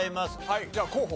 はいじゃあ候補。